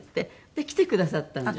で来てくださったんです。